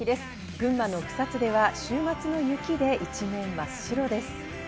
群馬の草津では週末の雪で一面真っ白です。